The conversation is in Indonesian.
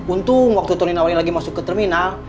untung waktu tony nawarin lagi masuk ke terminal